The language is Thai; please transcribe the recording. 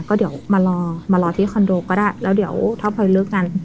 ก็เดี๋ยวมารอมารอที่คอนโดก็ได้แล้วเดี๋ยวถ้าพลอยเลิกกัน